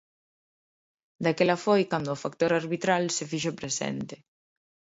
Daquela foi cando o factor arbitral se fixo presente.